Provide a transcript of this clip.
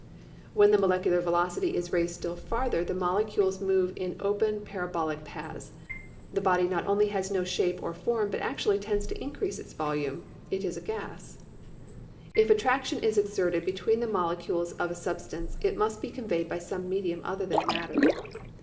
When the 48 PHYSICS molecular velocity is raised still farther the molecules move in open parabolic paths; the body not only has no shape or form, but actually tends to increase its volume; it is a gas." If attraction is exerted between the molecules of a sub stance it must be conveyed by >some medium other than matter.